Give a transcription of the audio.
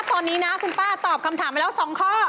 ตอนนี้นะคุณป้าตอบคำถามไปแล้ว๒ข้อ